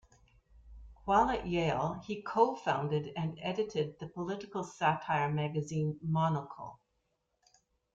While at Yale, he co-founded and edited the political satire magazine "Monocle".